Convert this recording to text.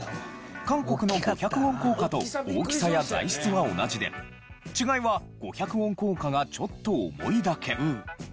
韓国の５００ウォン硬貨と大きさや材質は同じで違いは５００ウォン硬貨がちょっと重いだけ。